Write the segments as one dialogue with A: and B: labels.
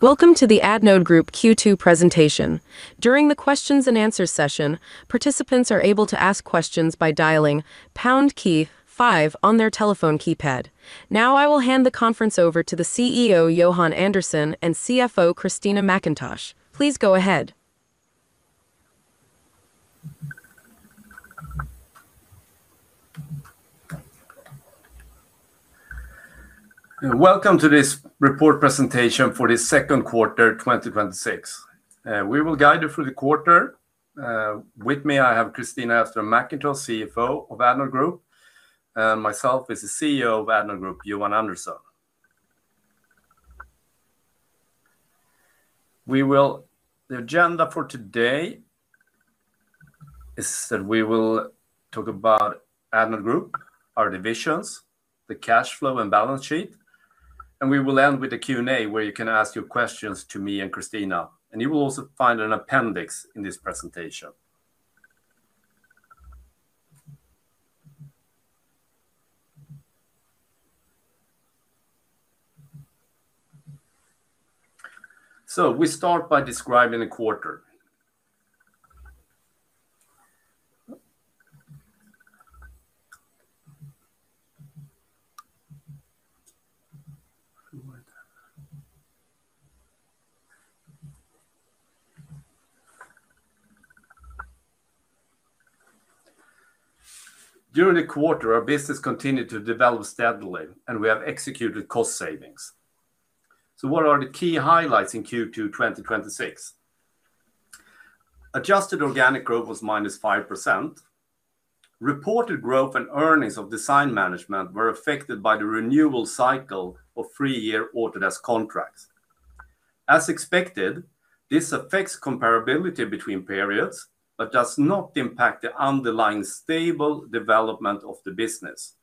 A: Welcome to the Addnode Group Q2 presentation during the questions and answers session, participants are able to ask questions by dialing pound key five on their telephone keypad. Now I will hand the conference over to the CEO, Johan Andersson, and CFO, Kristina Mackintosh. Please go ahead.
B: Welcome to this report presentation for the second quarter, 2026. With me, I have Kristina Mackintosh, CFO of Addnode Group, and myself as the CEO of Addnode Group, Johan Andersson. The agenda for today is that we will talk about Addnode Group, our divisions, the cash flow and balance sheet. We will end with a Q&A where you can ask your questions to me and Kristina. You will also find an appendix in this presentation. We start by describing the quarter during the quarter, our business continued to develop steadily, and we have executed cost savings. What are the key highlights in Q2 2026? Adjusted organic growth was -5%. Reported growth and earnings of Design Management were affected by the renewal cycle of three-year Autodesk contracts. As expected, this affects comparability between periods but does not impact the underlying stable development of the business.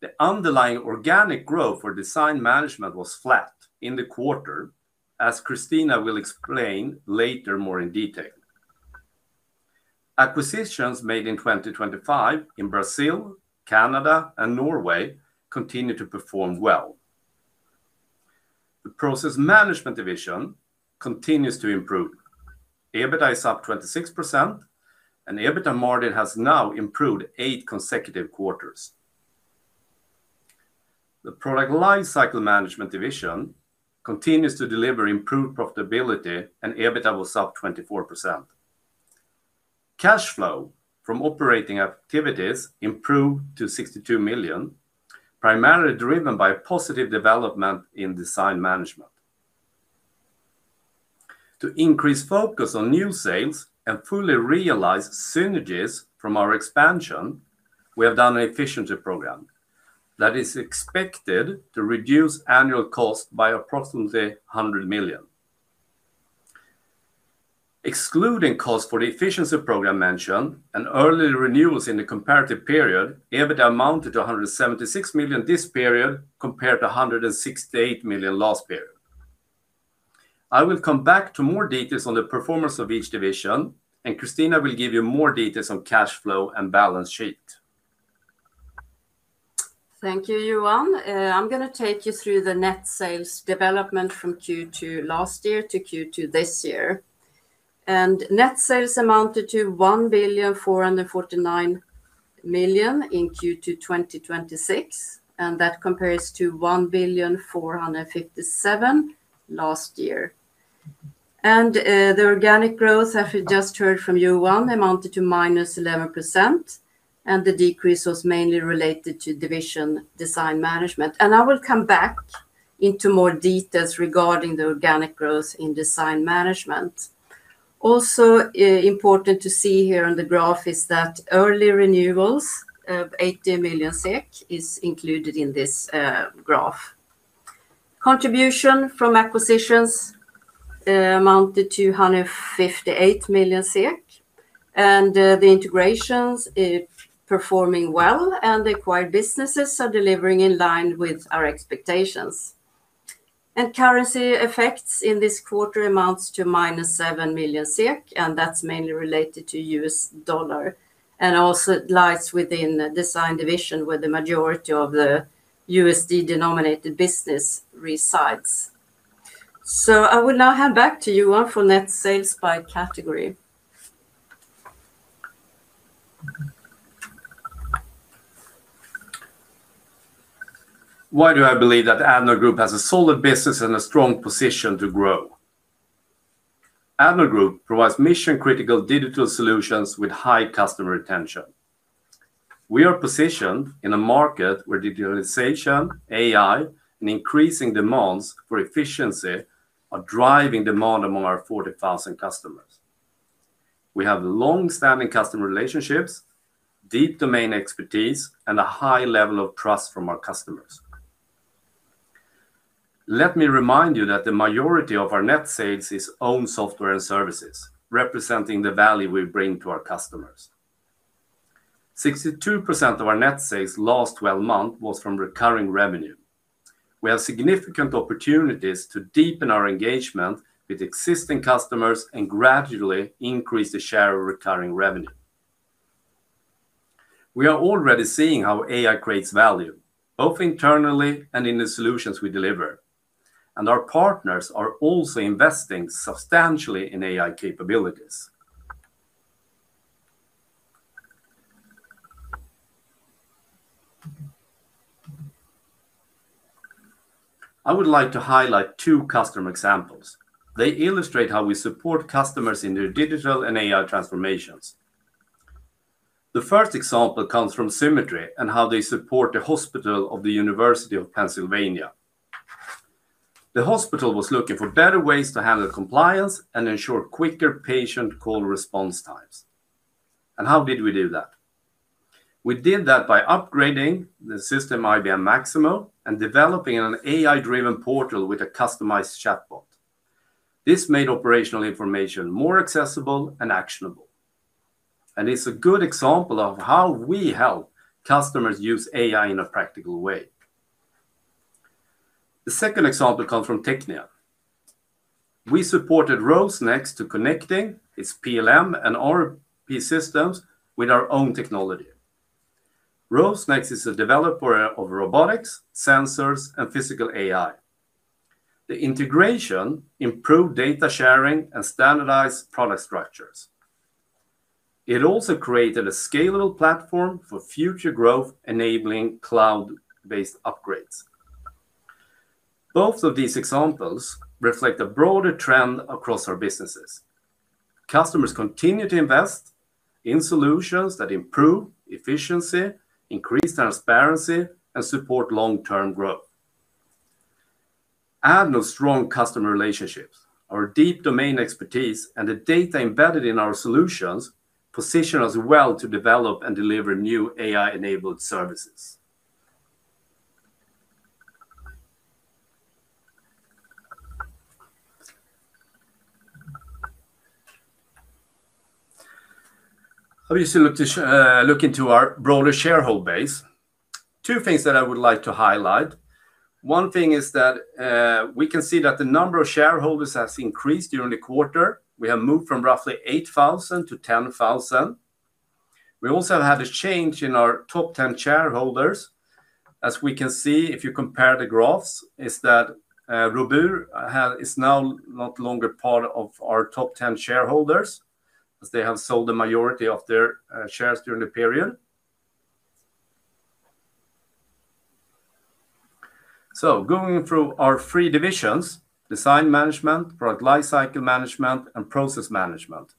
B: The underlying organic growth for Design Management was flat in the quarter, as Kristina will explain later more in detail. Acquisitions made in 2025 in Brazil, Canada, and Norway continue to perform well. The Process Management division continues to improve EBITA is up 26%, and EBITA margin has now improved eight consecutive quarters. The Product Lifecycle Management division continues to deliver improved profitability, and EBITA was up 24%. Cash flow from operating activities improved to 62 million, primarily driven by positive development in Design Management. To increase focus on new sales and fully realize synergies from our expansion, we have done an efficiency program that is expected to reduce annual cost by approximately 100 million. Excluding cost for the efficiency program mentioned and early renewals in the comparative period, EBITA amounted to 176 million this period, compared to 168 million last period. I will come back to more details on the performance of each division, and Kristina will give you more details on cash flow and balance sheet.
C: Thank you, Johan. I'm going to take you through the net sales development from Q2 last year to Q2 this year. Net sales amounted to 1,449 million in Q2 2026, and that compares to 1,457 million last year. The organic growth, as you just heard from Johan, amounted to -11%, and the decrease was mainly related to division Design Management. I will come back into more details regarding the organic growth in Design Management. Also important to see here on the graph is that early renewals of 80 million SEK is included in this graph. Contribution from acquisitions amounted to 158 million SEK and the integrations are performing well, and the acquired businesses are delivering in line with our expectations. Currency effects in this quarter amount to -7 million SEK, and that's mainly related to US dollar, and also it lies within the Design Management division where the majority of the USD-denominated business resides. I will now hand back to Johan for net sales by category.
B: Why do I believe that Addnode Group has a solid business and a strong position to grow. Addnode Group provides mission-critical digital solutions with high customer retention. We are positioned in a market where digitalization, AI, and increasing demands for efficiency are driving demand among our 40,000 customers. We have long-standing customer relationships, deep domain expertise, and a high level of trust from our customers. Let me remind you that the majority of our net sales is own software and services, representing the value we bring to our customers. 62% of our net sales last 12 months was from recurring revenue. We have significant opportunities to deepen our engagement with existing customers and gradually increase the share of recurring revenue. We are already seeing how AI creates value both internally and in the solutions we deliver. Our partners are also investing substantially in AI capabilities. I would like to highlight two customer examples. They illustrate how we support customers in their digital and AI transformations. The first example comes from Symetri and how they support the Hospital of the University of Pennsylvania. The hospital was looking for better ways to handle compliance and ensure quicker patient call response times. How did we do that? We did that by upgrading the system IBM Maximo and developing an AI-driven portal with a customized chatbot. This made operational information more accessible and actionable, and it's a good example of how we help customers use AI in a practical way. The second example comes from Technia we supported Rosenxt to connecting its PLM and ERP systems with our own technology. Rosenxt is a developer of robotics, sensors, and physical AI. The integration improved data sharing and standardized product structures. It also created a scalable platform for future growth, enabling cloud-based upgrades. Both of these examples reflect a broader trend across our businesses. Customers continue to invest in solutions that improve efficiency, increase transparency, and support long-term growth. Addnode's strong customer relationships, our deep domain expertise, and the data embedded in our solutions position us well to develop and deliver new AI-enabled services. Obviously, look into our broader shareholder base two things that I would like to highlight. One thing is that we can see that the number of shareholders has increased during the quarter we have moved from roughly 8,000 to 10,000. We also have a change in our top 10 shareholders as we can see, if you compare the graphs, is that Robur is now no longer part of our top 10 shareholders as they have sold the majority of their shares during the period. Going through our three divisions: Design Management, Product Lifecycle Management, and Process Management.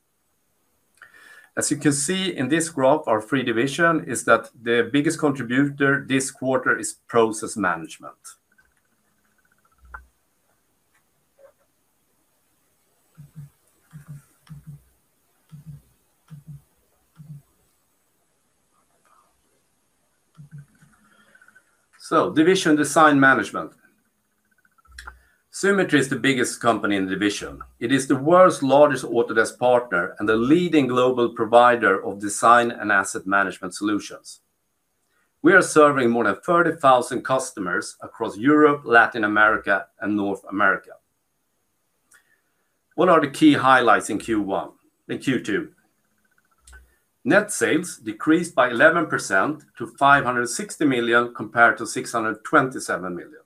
B: As you can see in this graph, our three divisions is that the biggest contributor this quarter is Process Management. Division Design Management. Symetri is the biggest company in the division it is the world's largest Autodesk partner and the leading global provider of design and asset management solutions. We are serving more than 30,000 customers across Europe, Latin America, and North America. What are the key highlights in Q2, net sales decreased by 11% to 560 million compared to 627 million.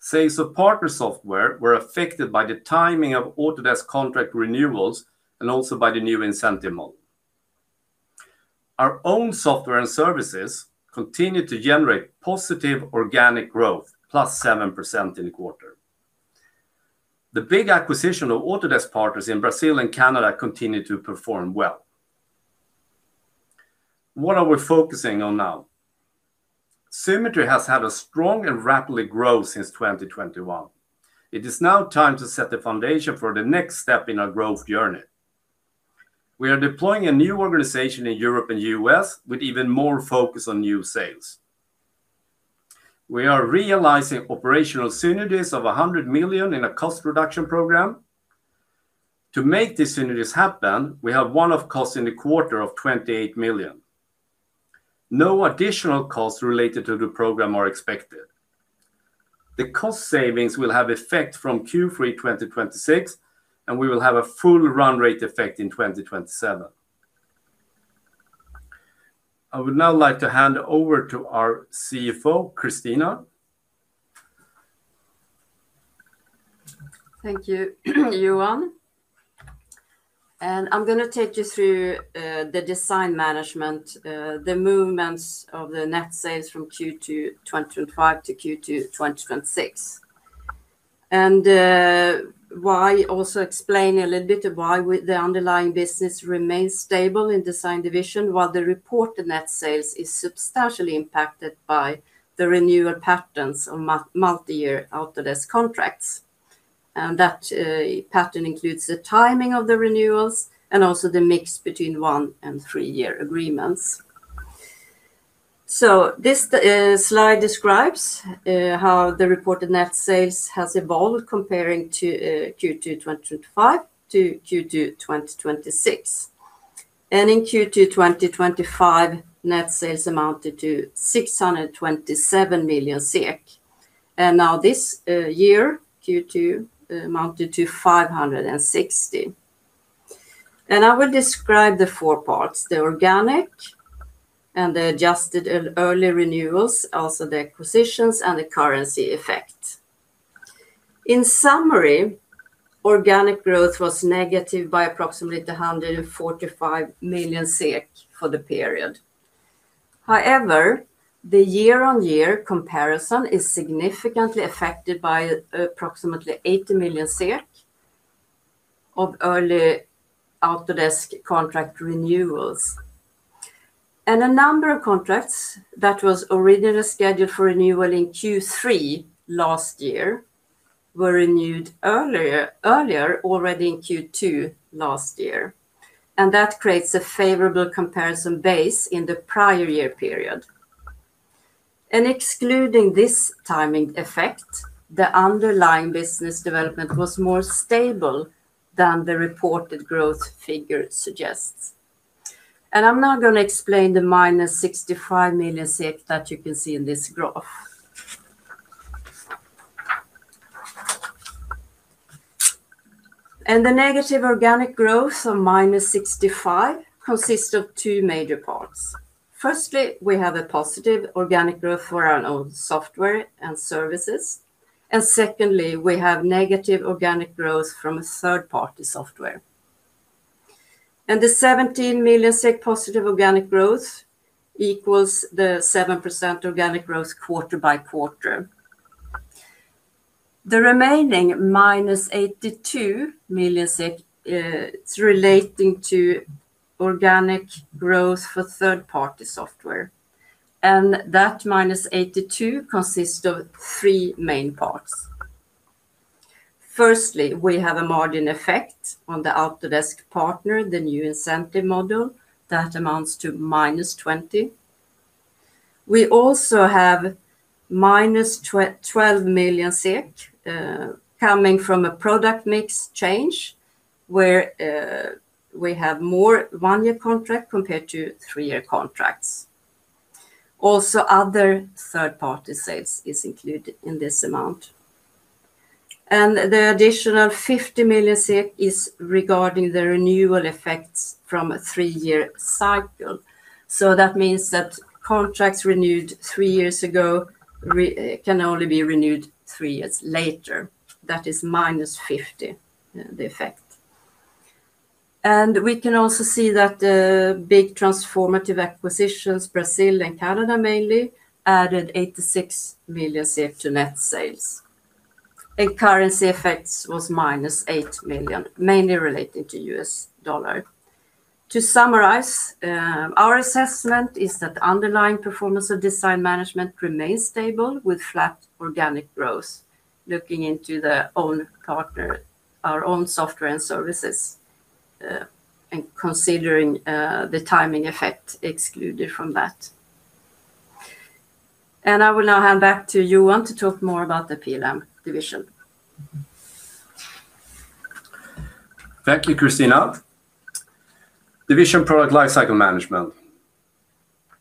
B: Sales of partner software were affected by the timing of Autodesk contract renewals and also by the new incentive model. Our own software and services continued to generate positive organic growth, plus 7% in the quarter. The big acquisition of Autodesk partners in Brazil and Canada continued to perform well. What are we focusing on now, Symetri has had strong and rapid growth since 2021. It is now time to set the foundation for the next step in our growth journey. We are deploying a new organization in Europe and the U.S. with even more focus on new sales. We are realizing operational synergies of 100 million in a cost reduction program. To make these synergies happen, we have one-off costs in the quarter of 28 million. No additional costs related to the program are expected the cost savings will have effect from Q3 2026, and we will have a full run rate effect in 2027. I would now like to hand over to our CFO, Kristina.
C: Thank you, Johan. I'm going to take you through the Design Management, the movements of the net sales from Q2 2025 to Q2 2026. I will also explain a little bit of why the underlying business remains stable in Design division while the reported net sales is substantially impacted by the renewal patterns of multi-year Autodesk contracts. That pattern includes the timing of the renewals and also the mix between one and three year agreements. This slide describes how the reported net sales has evolved comparing to Q2 2025 to Q2 2026. In Q2 2025, net sales amounted to 627 million SEK now this year, Q2 amounted to 560 million. I will describe the four parts, the organic and the adjusted early renewals, also the acquisitions and the currency effect. In summary, organic growth was negative by approximately 145 million SEK for the period. However, the year-on-year comparison is significantly affected by approximately 80 million of early Autodesk contract renewals. A number of contracts that was originally scheduled for renewal in Q3 last year were renewed earlier, already in Q2 last year. That creates a favorable comparison base in the prior year period. Excluding this timing effect, the underlying business development was more stable than the reported growth figure suggests. I am now going to explain the -65 million that you can see in this graph. The negative organic growth of -65 million consists of two major parts. Firstly, we have a positive organic growth for our own software and services, and secondly, we have negative organic growth from a third-party software. The 17 million SEK positive organic growth equals the 7% organic growth quarter-by-quarter. The remaining -82 million SEK, it is relating to organic growth for third-party software, that -82 million consists of three main parts. Firstly, we have a margin effect on the Autodesk partner, the new incentive model that amounts to -20 million. We also have -12 million, coming from a product mix change where we have more one-year contracts compared to three-year contracts. Also, other third-party sales are included in this amount the additional 50 million is regarding the renewal effects from a three-year cycle. That means that contracts renewed three years ago can only be renewed three years later. That is minus 50, the effect. We can also see that the big transformative acquisitions, Brazil and Canada mainly, added 86 million to net sales. Currency effects were -8 million, mainly related to U.S. dollar. To summarize, our assessment is that underlying performance of Design Management remains stable with flat organic growth, looking into our own software and services, and considering the timing effect excluded from that. I will now hand back to Johan to talk more about the PLM division.
B: Thank you, Kristina. Division Product Lifecycle Management.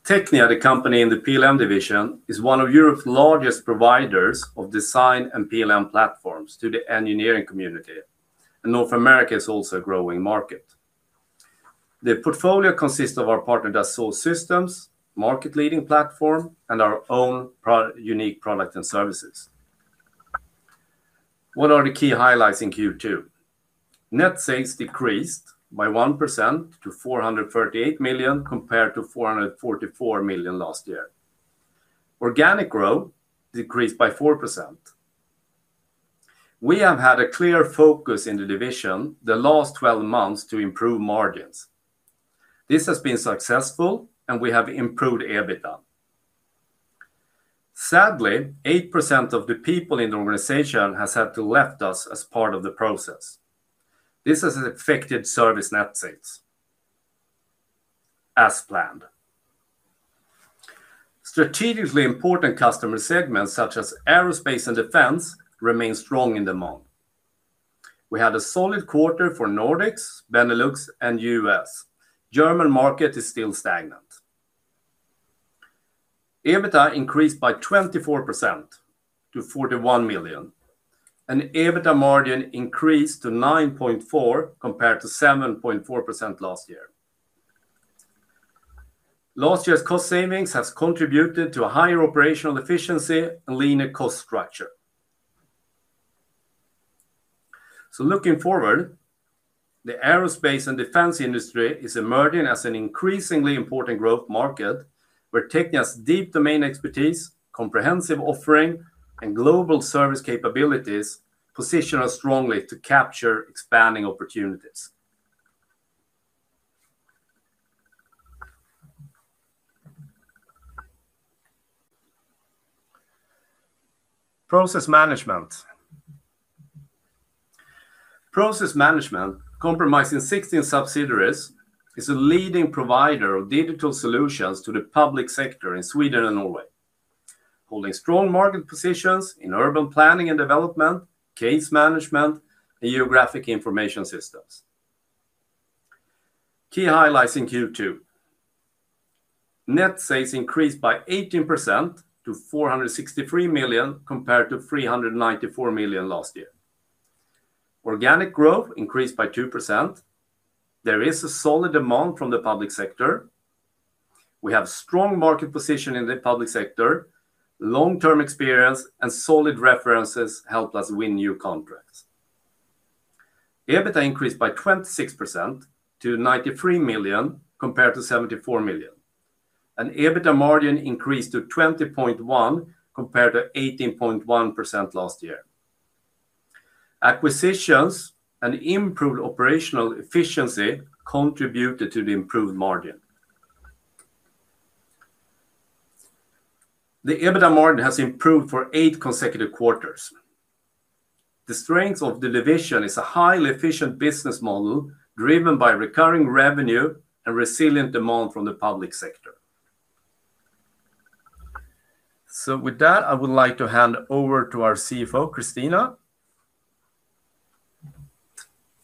B: Technia, the company in the PLM division, is one of Europe's largest providers of design and PLM platforms to the engineering community, and North America is also a growing market. The portfolio consists of our partner, Dassault Systèmes, market-leading platform, and our own unique product and services. What are the key highlights in Q2. Net sales decreased by 1% to 438 million compared to 444 million last year organic growth decreased by 4%. We have had a clear focus in the division the last 12 months to improve margins. This has been successful, and we have improved EBITA. Sadly, 8% of the people in the organization have had to leave us as part of the process. This has affected service net sales as planned strategically important customer segments such as aerospace and defense remain strong in demand. We had a solid quarter for Nordics, Benelux, and U.S. German market is still stagnant. EBITA increased by 24% to 41 million, and EBITA margin increased to 9.4% compared to 7.4% last year. Last year's cost savings has contributed to a higher operational efficiency and leaner cost structure. Looking forward, the aerospace and defense industry is emerging as an increasingly important growth market where Technia's deep domain expertise, comprehensive offering, and global service capabilities position us strongly to capture expanding opportunities. Process Management, Process Management compromising 16 subsidiaries, is a leading provider of digital solutions to the public sector in Sweden and Norway, holding strong market positions in urban planning and development, case management, and geographic information systems. Key highlights in Q2. Net sales increased by 18% to 463 million, compared to 394 million last year. Organic growth increased by 2% there is a solid demand from the public sector. We have strong market position in the public sector long-term experience and solid references help us win new contracts. EBITA increased by 26% to 93 million, compared to 74 million. EBITA margin increased to 20.1%, compared to 18.1% last year. Acquisitions and improved operational efficiency contributed to the improved margin. The EBITA margin has improved for eight consecutive quarters the strength of the division is a highly efficient business model, driven by recurring revenue and resilient demand from the public sector. With that, I would like to hand over to our CFO, Kristina.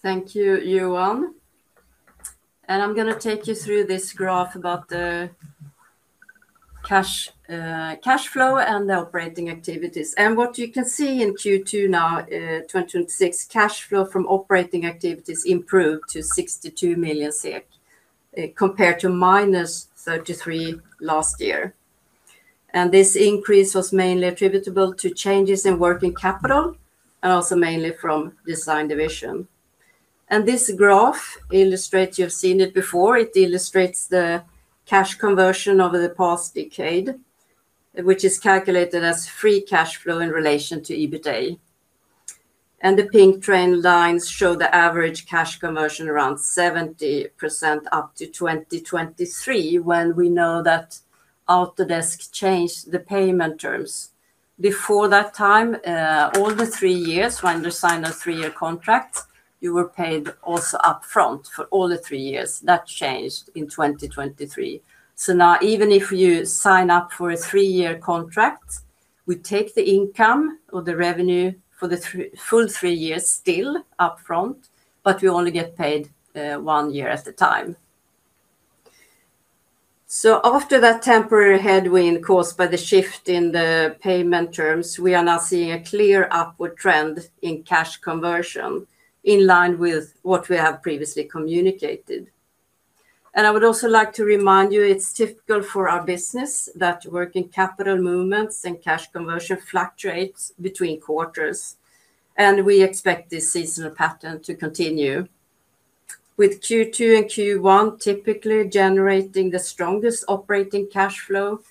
C: Thank you, Johan. I'm going to take you through this graph about the cash flow and the operating activities. What you can see in Q2 now, 2026, cash flow from operating activities improved to 62 million SEK, compared to minus 33 million last year. This increase was mainly attributable to changes in working capital, and also mainly from Design Division. This graph illustrates, you've seen it before, it illustrates the cash conversion over the past decade, which is calculated as free cash flow in relation to EBITA. The pink trend lines show the average cash conversion around 70% up to 2023, when we know that Autodesk changed the payment terms. Before that time, all the three years, when you signed a three-year contract, you were paid also upfront for all the three years. That changed in 2023. Now even if you sign up for a three-year contract, we take the income or the revenue for the full three years still upfront, but we only get paid one year at a time. After that temporary headwind caused by the shift in the payment terms, we are now seeing a clear upward trend in cash conversion, in line with what we have previously communicated. I would also like to remind you, it's typical for our business that working capital movements and cash conversion fluctuates between quarters, and we expect this seasonal pattern to continue, with Q2 and Q1 typically generating the strongest operating cash flow,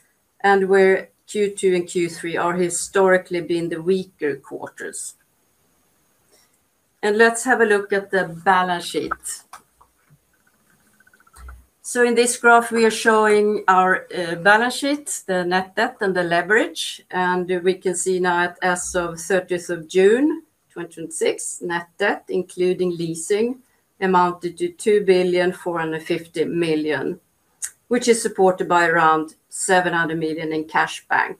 C: and where Q2 and Q3 are historically been the weaker quarters. Let's have a look at the balance sheet. In this graph we are showing our balance sheet, the net debt, and the leverage. We can see now as of 30th of June 2026, net debt, including leasing, amounted to 2,450 million, which is supported by around 700 million in cash bank.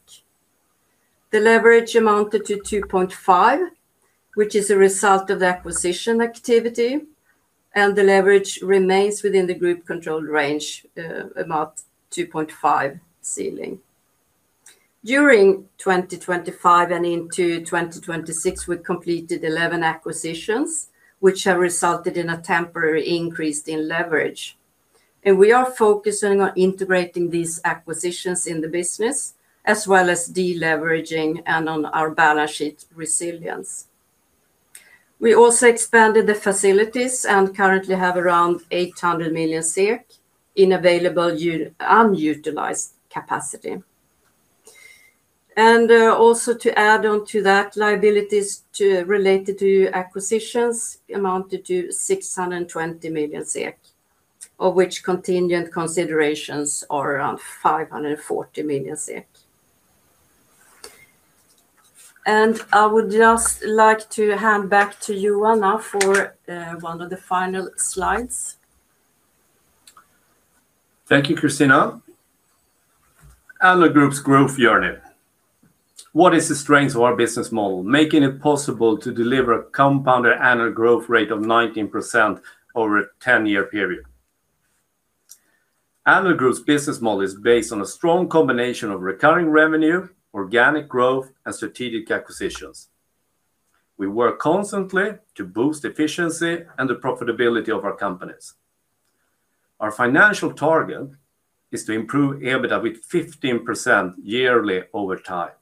C: The leverage amounted to 2.5, which is a result of the acquisition activity, and the leverage remains within the group controlled range, about 2.5 ceiling. During 2025 and into 2026, we completed 11 acquisitions, which have resulted in a temporary increase in leverage. We are focusing on integrating these acquisitions in the business, as well as de-leveraging and on our balance sheet resilience. We also expanded the facilities and currently have around 800 million in available unutilized capacity. Also to add on to that, liabilities related to acquisitions amounted to 620 million SEK, of which contingent considerations are around 540 million SEK. I would just like to hand back to Johan now for one of the final slides.
B: Thank you, Kristina. Addnode Group's growth journey what is the strength of our business model, making it possible to deliver a compounded annual growth rate of 19% over a 10-year period. Addnode Group's business model is based on a strong combination of recurring revenue, organic growth, and strategic acquisitions. We work constantly to boost efficiency and the profitability of our companies. Our financial target is to improve EBITA with 15% yearly over time.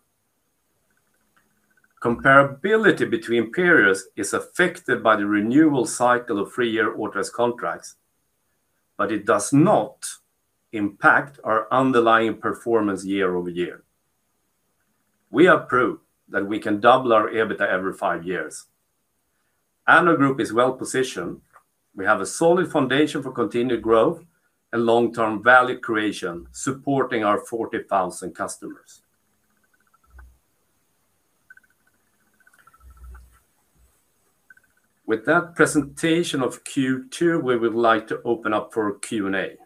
B: Comparability between periods is affected by the renewal cycle of three-year Autodesk contracts, but it does not impact our underlying performance year-over-year. We have proved that we can double our EBITA every five years. Addnode Group is well-positioned we have a solid foundation for continued growth and long-term value creation, supporting our 40,000 customers. With that presentation of Q2, we would like to open up for Q&A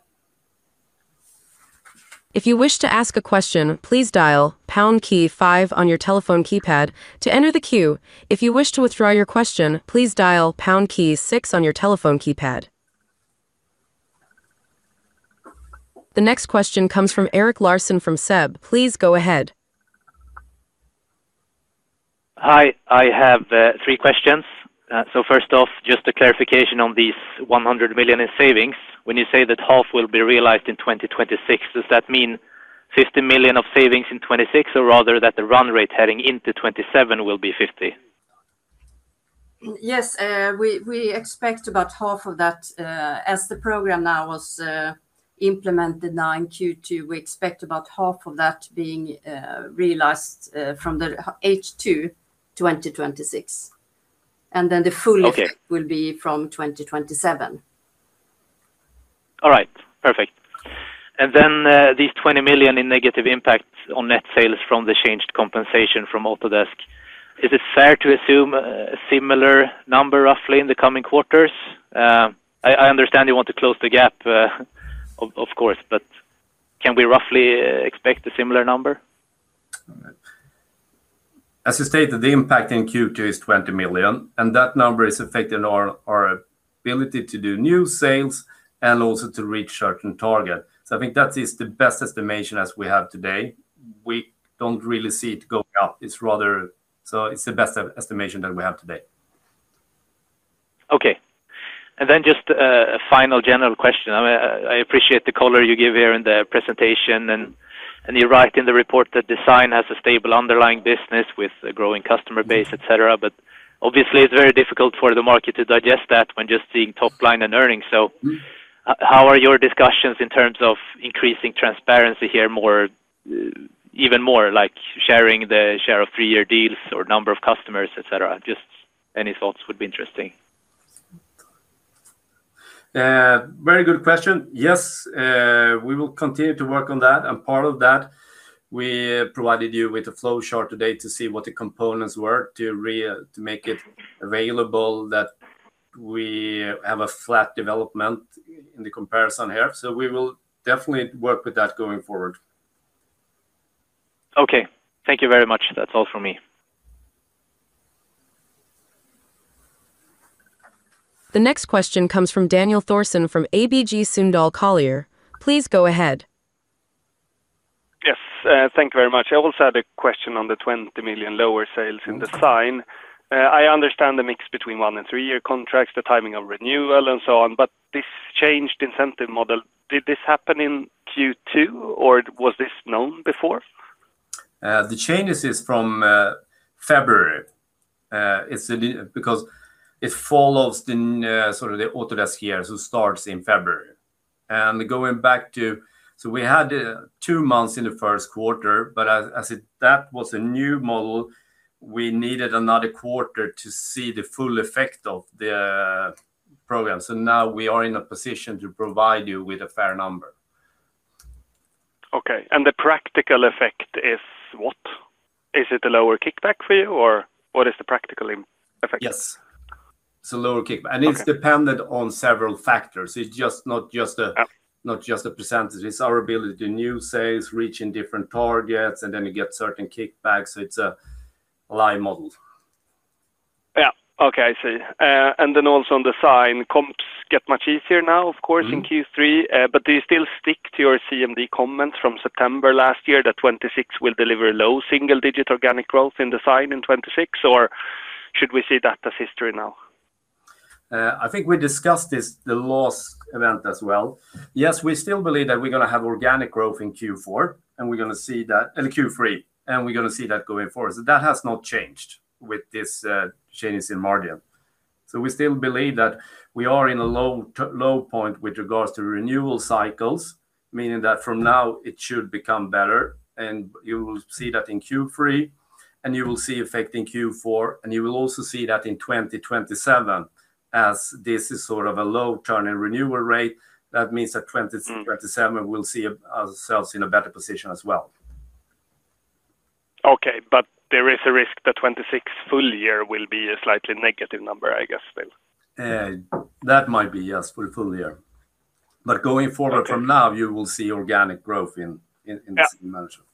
A: If you wish to ask a question, please dial pound key five on your telephone keypad to enter the queue. If you wish to withdraw your question, please dial pound key six on your telephone keypad. The next question comes from Erik Larsson from SEB. Please go ahead.
D: Hi. I have three questions. First off, just a clarification on these 100 million in savings. When you say that half will be realized in 2026, does that mean 50 million of savings in 2026, or rather that the run rate heading into 2027 will be 50 million?
C: Yes. We expect about half of that as the program now was implemented in Q2, we expect about half of that being realized from the H2 2026. The full.
D: Okay
C: Effect will be from 2027.
D: All right, perfect. These 20 million in negative impact on net sales from the changed compensation from Autodesk. Is it fair to assume a similar number roughly in the coming quarters? I understand you want to close the gap, of course, but can we roughly expect a similar number?
B: As I stated, the impact in Q2 is 20 million, and that number is affecting our ability to do new sales and also to reach certain target. I think that is the best estimation as we have today we don't really see it going up it's the best estimation that we have today.
D: Okay. Then just a final general question. I appreciate the color you give here in the presentation, and you write in the report that Design has a stable underlying business with a growing customer base, et cetera, but obviously it's very difficult for the market to digest that when just seeing top line and earnings. How are your discussions in terms of increasing transparency here even more, like sharing the share of three-year deals or number of customers, et cetera? Just any thoughts would be interesting.
B: Very good question. Yes, we will continue to work on that. Part of that, we provided you with a flow chart today to see what the components were to make it available that we have a flat development in the comparison here. We will definitely work with that going forward.
D: Okay. Thank you very much. That's all from me.
A: The next question comes from Daniel Thorsson from ABG Sundal Collier. Please go ahead.
E: Yes. Thank you very much. I also had a question on the 20 million lower sales in Design. I understand the mix between one and three-year contracts, the timing of renewal and so on, but this changed incentive model, did this happen in Q2, or was this known before?
B: The changes is from February it follows the sort of the Autodesk year, so starts in February. We had two months in the first quarter, but as that was a new model, we needed another quarter to see the full effect of the program. Now we are in a position to provide you with a fair number.
E: Okay. The practical effect is what? Is it a lower kickback for you or what is the practical effect?
B: Yes. It's a lower kickback.
E: Okay.
B: It's dependent on several factors it's not just a percentage it's our ability to do new sales, reaching different targets, and then you get certain kickbacks it's a line model.
E: Yeah. Okay. I see. Also on Design, comps get much easier now, of course, in Q3. Do you still stick to your CMD comments from September last year that 2026 will deliver low single-digit organic growth in Design in 2026, or should we see that as history now?
B: Yes, I think we discussed this, [Thorsson] as well. We still believe that we're going to have organic growth in Q4, and we're going to see that in Q3, and we're going to see that going forward. That has not changed with these changes in margin. We still believe that we are in a low point with regards to renewal cycles, meaning that from now it should become better, and you will see that in Q3, and you will see effect in Q4, and you will also see that in 2027, as this is sort of a low turning renewal rate. That means 2027 we'll see ourselves in a better position as well.
E: Okay. There is a risk that 2026 full year will be a slightly negative number, I guess then?
B: That might be, yes, for a full year going forward from now, you will see organic growth in this dimension.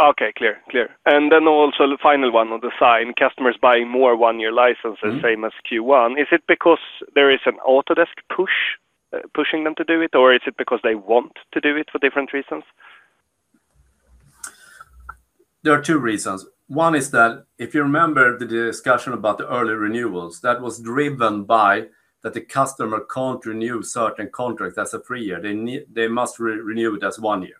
E: Okay. Clear. Also the final one on Design, customers buying more one-year licenses, same as Q1. Is it because there is an Autodesk push, pushing them to do it, or is it because they want to do it for different reasons?
B: There are two reasons one is that if you remember the discussion about the early renewals, that was driven by that the customer can't renew certain contracts as a three-year. They must renew it as one year.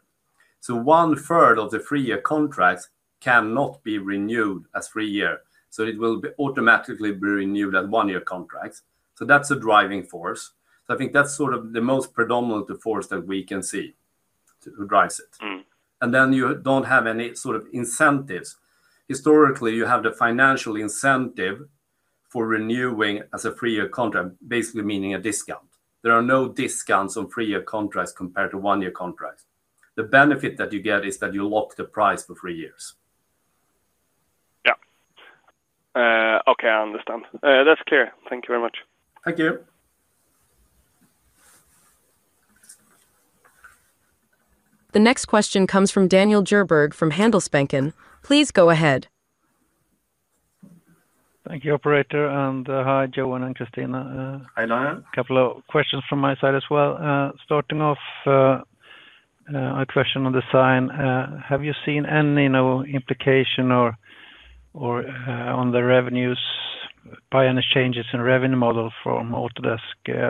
B: One-third of the three-year contracts cannot be renewed as three-year, it will be automatically be renewed as one-year contracts. That's a driving force. I think that's sort of the most predominant force that we can see who drives it. You don't have any sort of incentives. Historically, you have the financial incentive for renewing as a three year contract, basically meaning a discount. There are no discounts on three year contracts compared to one year contracts the benefit that you get is that you lock the price for three years
E: Okay, I understand. That's clear. Thank you very much.
B: Thank you.
A: The next question comes from Daniel Djurberg from Handelsbanken. Please go ahead.
F: Thank you, operator. Hi Johan and Kristina.
B: Hi Daniel.
F: A couple of questions from my side as well. Starting off, a question on design. Have you seen any implication on the revenues by any changes in revenue model from Autodesk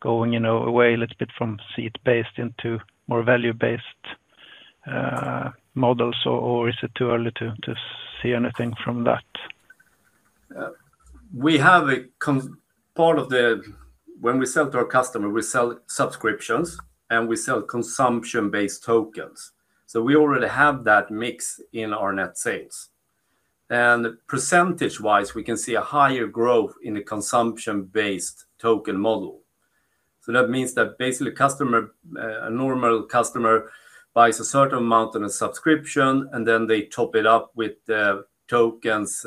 F: going away a little bit from seat-based into more value-based models, or is it too early to see anything from that?
B: When we sell to our customer, we sell subscriptions, we sell consumption-based tokens. We already have that mix in our net sales. Percentage-wise, we can see a higher growth in the consumption-based token model. That means that basically a normal customer buys a certain amount on a subscription, then they top it up with the tokens,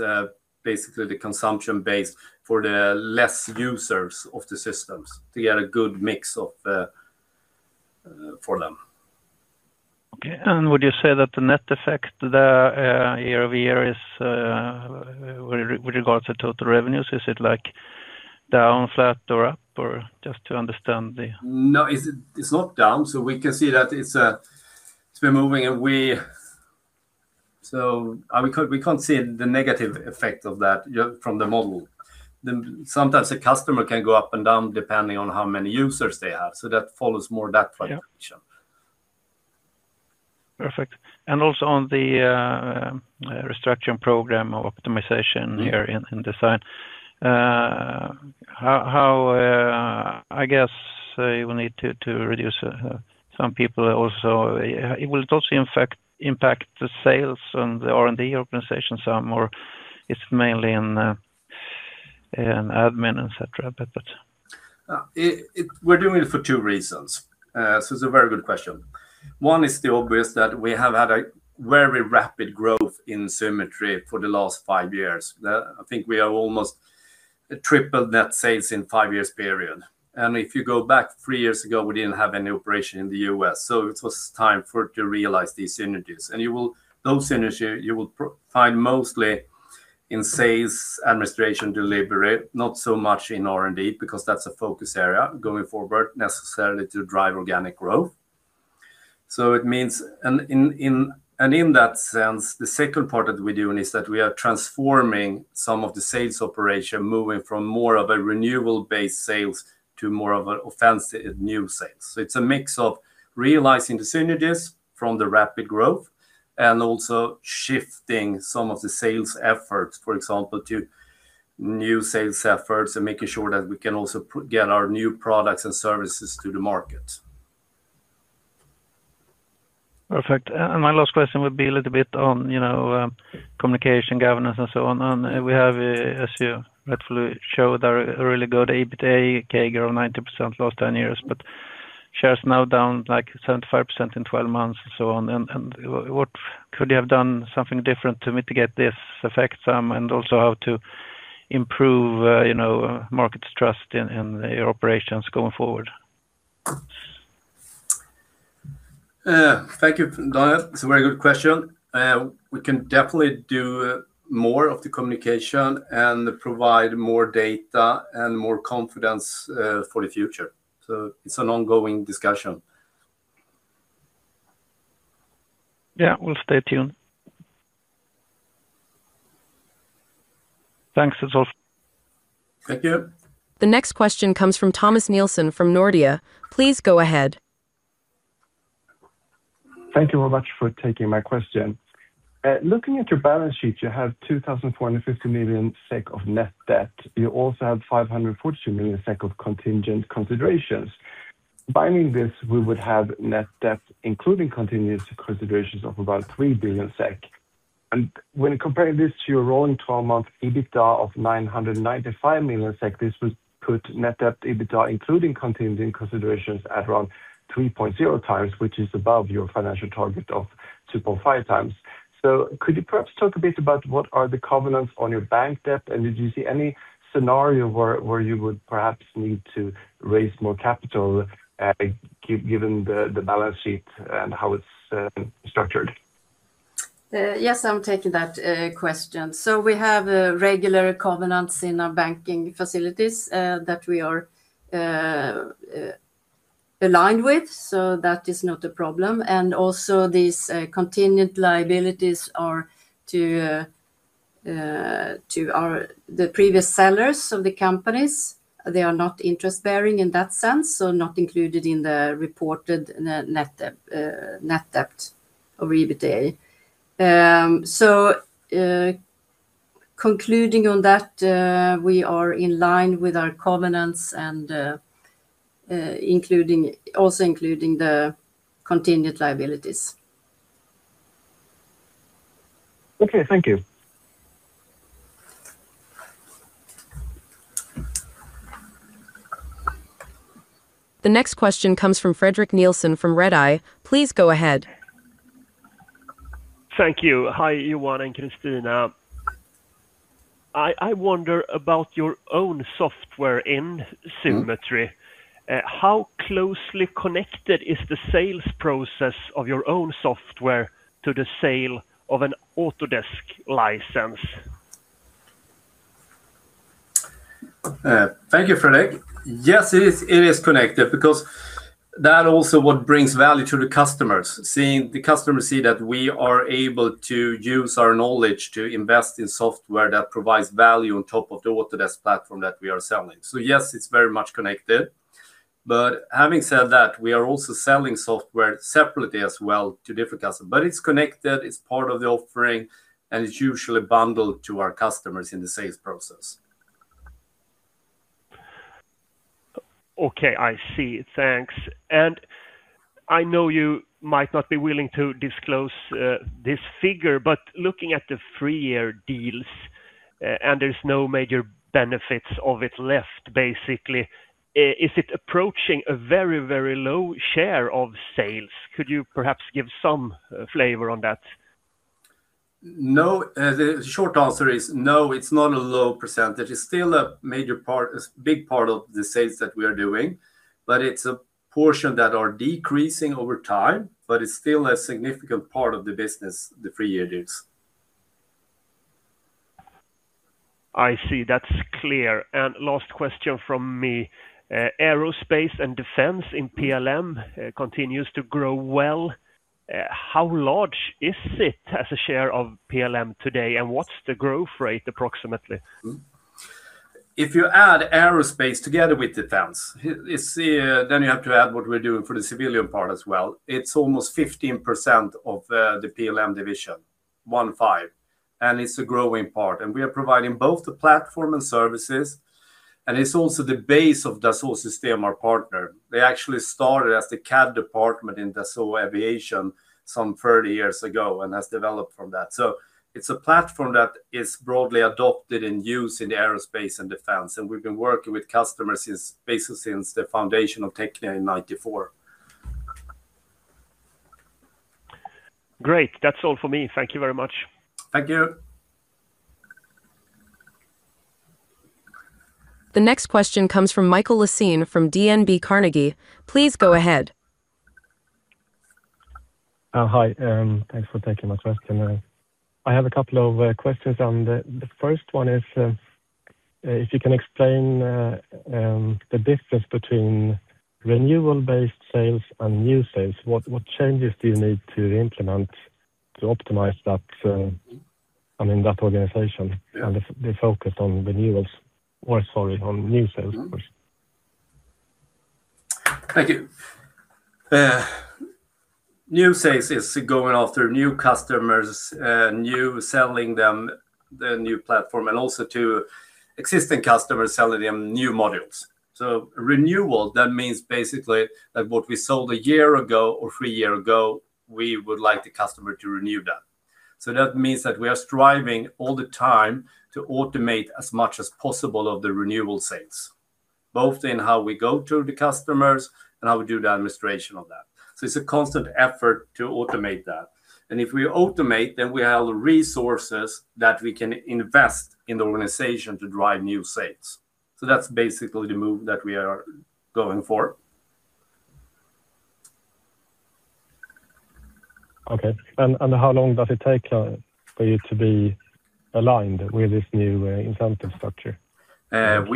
B: basically the consumption-based for the less users of the systems to get a good mix for them.
F: Okay, would you say that the net effect there year-over-year with regards to total revenues, is it down, flat or up, just to understand the?
B: No, it's not down. We can see that it's been moving away, we can't see the negative effect of that from the model. Sometimes a customer can go up and down depending on how many users they have, that follows more that function.
F: Yeah. Perfect. Also on the restructuring program of optimization here in design. I guess you will need to reduce some people also. It will also impact the sales and the R&D organization some, or it's mainly in admin, et cetera?
B: We're doing it for two reasons it's a very good question. One is the obvious that we have had a very rapid growth in Symetri for the last five years. I think we are almost triple net sales in five years period. If you go back three years ago, we didn't have any operation in the U.S., it was time for it to realize these synergies. Those synergies, you will find mostly in sales, administration, delivery, not so much in R&D because that's a focus area going forward necessarily to drive organic growth. In that sense, the second part that we're doing is that we are transforming some of the sales operation, moving from more of a renewable-based sales to more of an offensive new sales. It's a mix of realizing the synergies from the rapid growth and also shifting some of the sales efforts, for example, to new sales efforts and making sure that we can also get our new products and services to the market.
F: Perfect. My last question would be a little bit on communication, governance, and so on. We have, as you rightfully showed, a really good EBITA CAGR, 90% last 10 years, but shares now down like 75% in 12 months and so on. What could you have done something different to mitigate this effect some, and also how to improve market trust in your operations going forward?
B: Thank you, Daniel. It's a very good question. We can definitely do more of the communication and provide more data and more confidence for the future. It's an ongoing discussion.
F: Yeah, we'll stay tuned. Thanks. That's all.
B: Thank you.
A: The next question comes from Thomas Nilsson from Nordea. Please go ahead.
G: Thank you very much for taking my question. Looking at your balance sheet, you have 2,450 million SEK of net debt. You also have 542 million SEK of contingent considerations. Combining this, we would have net debt, including contingent considerations of about 3 billion SEK. When comparing this to your rolling 12 month EBITDA of 995 million SEK, this would put net debt EBITDA, including contingent considerations at around 3.0x, which is above your financial target of 2.5x. Could you perhaps talk a bit about what are the covenants on your bank debt, and did you see any scenario where you would perhaps need to raise more capital given the balance sheet and how it's structured?
C: Yes, I'm taking that question. We have regular covenants in our banking facilities that we are aligned with, so that is not a problem. Also these contingent liabilities are to the previous sellers of the companies. They are not interest-bearing in that sense, so not included in the reported net debt of EBITA. Concluding on that, we are in line with our covenants and also including the contingent liabilities.
G: Okay. Thank you.
A: The next question comes from Fredrik Nilsson from Redeye. Please go ahead.
H: Thank you. Hi, Johan and Kristina. I wonder about your own software in Symetri. How closely connected is the sales process of your own software to the sale of an Autodesk license?
B: Thank you, Fredrik. Yes, it is connected because that also what brings value to the customers. The customers see that we are able to use our knowledge to invest in software that provides value on top of the Autodesk platform that we are selling. Yes, it's very much connected. Having said that, we are also selling software separately as well to different customers. It's connected, it's part of the offering, and it's usually bundled to our customers in the sales process.
H: Okay, I see. Thanks. I know you might not be willing to disclose this figure, but looking at the three-year deals, there's no major benefits of it left, basically. Is it approaching a very, very low share of sales? Could you perhaps give some flavor on that?
B: No. The short answer is no, it's not a low percentage. It's still a big part of the sales that we are doing, but it's a portion that are decreasing over time, but it's still a significant part of the business, the three-year deals.
H: I see. That's clear. Last question from me. Aerospace and defense in PLM continues to grow well. How large is it as a share of PLM today, and what's the growth rate, approximately?
B: If you add aerospace together with defense, then you have to add what we're doing for the civilian part as well. It's almost 15% of the PLM division, one five, and it's a growing part. We are providing both the platform and services, and it's also the base of Dassault Systèmes, our partner. They actually started as the CAD department in Dassault Aviation some 30 years ago and has developed from that. It's a platform that is broadly adopted in use in the aerospace and defense, and we've been working with customers basically since the foundation of Technia in 1994.
H: Great. That's all for me. Thank you very much.
B: Thank you.
A: The next question comes from Mikael Laséen from DNB Carnegie. Please go ahead.
I: Hi, thanks for taking my question. I have a couple of questions. The first one is if you can explain the difference between renewal-based sales and new sales. What changes do you need to implement to optimize that organization and the focus on renewals, or, sorry, on new sales, of course?
B: Thank you. New sales is going after new customers, new selling them the new platform, and also to existing customers selling them new modules. Renewal, that means basically that what we sold a year ago or three years ago, we would like the customer to renew that. That means that we are striving all the time to automate as much as possible of the renewal sales, both in how we go to the customers and how we do the administration of that. It's a constant effort to automate that. If we automate, then we have the resources that we can invest in the organization to drive new sales. That's basically the move that we are going for.
I: Okay. How long does it take for you to be aligned with this new incentive structure?
B: Most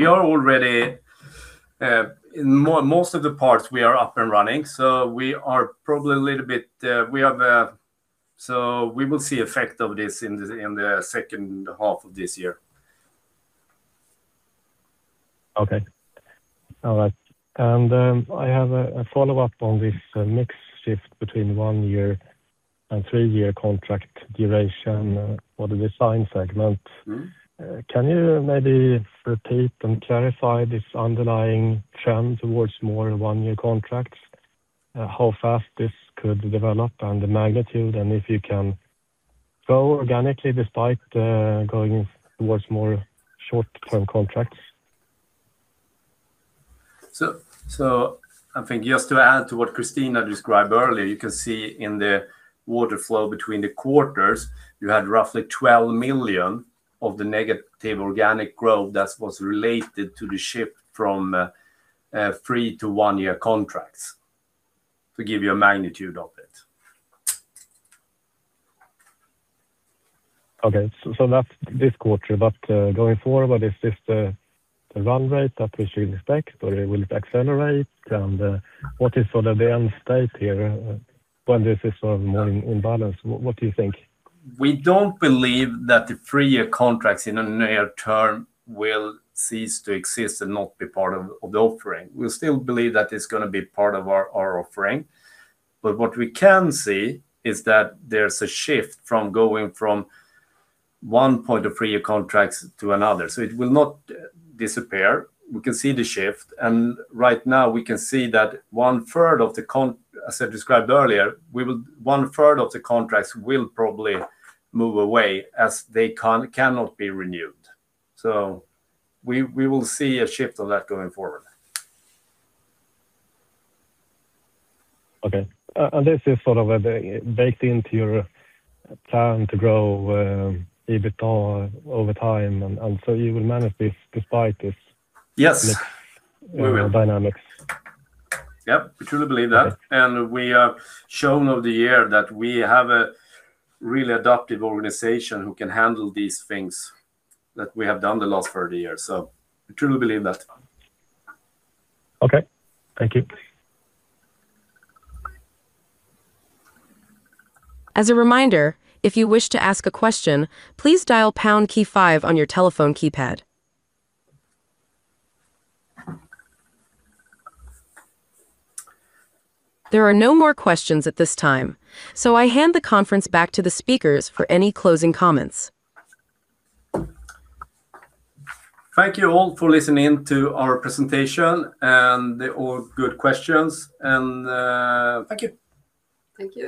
B: of the parts we are up and running, so we will see effect of this in the second half of this year.
I: Okay. All right. I have a follow-up on this mix shift between one-year and three-year contract duration for the Design segment. Can you maybe repeat and clarify this underlying trend towards more one-year contracts, how fast this could develop and the magnitude, and if you can grow organically despite going towards more short-term contracts?
B: I think just to add to what Kristina described earlier, you can see in the water flow between the quarters, you had roughly 12 million of the negative organic growth that was related to the shift from three to one-year contracts, to give you a magnitude of it.
I: That's this quarter, going forward, is this the run rate that we should expect, or will it accelerate, and what is sort of the end state here when this is more in balance? What do you think?
B: We don't believe that the three-year contracts in the near term will cease to exist and not be part of the offering. We still believe that it's going to be part of our offering. What we can see is that there's a shift from going from one point of three-year contracts to another it will not disappear. We can see the shift, and right now we can see that one third of the contracts as I described earlier, one third of the contracts will probably move away as they cannot be renewed. We will see a shift on that going forward.
I: Okay. This is sort of baked into your plan to grow EBITA over time, and so you will manage this despite this.
B: Yes. We will
I: dynamics.
B: Yep, we truly believe that. We have shown over the year that we have a really adaptive organization who can handle these things that we have done the last 30 years. We truly believe that.
I: Okay. Thank you.
A: As a reminder, if you wish to ask a question, please dial pound key five on your telephone keypad. There are no more questions at this time, so I hand the conference back to the speakers for any closing comments.
B: Thank you all for listening to our presentation and all good questions. Thank you.
C: Thank you.